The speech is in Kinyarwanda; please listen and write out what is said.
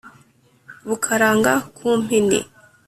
Bukaranga ku mpini,